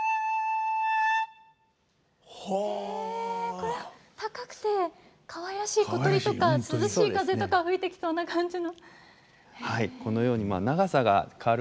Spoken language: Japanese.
これ高くてかわいらしい小鳥とか涼しい風とか吹いてきそうな感じの。